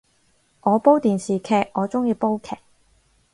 我煲電視劇，我鍾意煲劇